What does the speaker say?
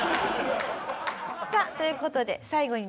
さあという事で最後にですね